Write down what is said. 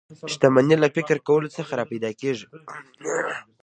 شتمني له فکر کولو څخه را پیدا کېږي